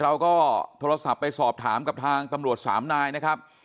เราก็โทรศัพท์ไปสอบถามกับทางตำรวจสามนายนะครับ